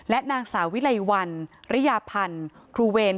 และนางสาวิลัยวันระยะพันธ์ครูเวน